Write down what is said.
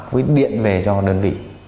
với điện về cho đơn vị